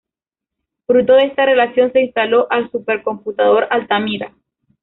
Fruto de esta relación, se instaló el supercomputador Altamira.